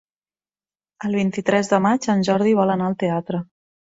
El vint-i-tres de maig en Jordi vol anar al teatre.